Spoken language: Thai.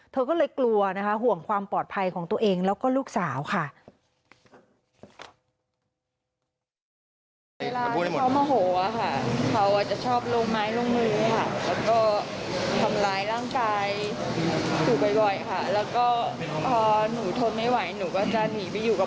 เธอก็เลยกลัวนะคะห่วงความปลอดภัยของตัวเองแล้วก็ลูกสาวค่ะ